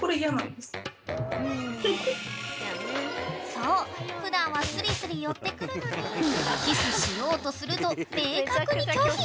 ［そう普段はスリスリ寄ってくるのにキスしようとすると明確に拒否］